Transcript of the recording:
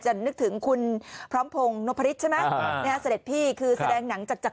จะนึกถึงคุณพร้อมโพงโนภริชใช่ไหมอ่านะฮะเสด็จพี่คือแสดงหนังจักจัก